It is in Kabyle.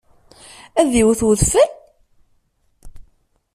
Ad d-yewwet udfel?